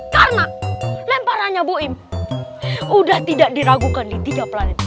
karena lemparannya wm udah tidak diragukan di tiga planet